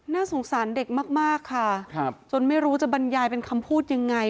น่าสงสารเด็กมากค่ะจนไม่รู้จะบรรยายเป็นคำพูดยังไง